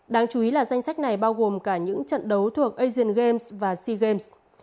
đáng chú ý là danh sách này bao gồm cả những trận đấu thuộc asian games và sea games